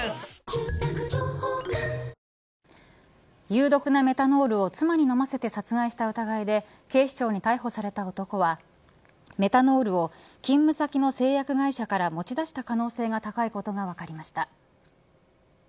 有毒なメタノールを妻に飲ませて殺害した疑いで警視庁に逮捕された男はメタノールを勤務先の製薬会社から持ち出した可能性が高いことが分かりました。